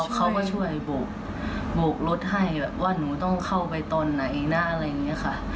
เขาก็ช่วยโบกรถให้แบบว่าหนูต้องเข้าไปตอนไหนนะอะไรอย่างนี้ค่ะ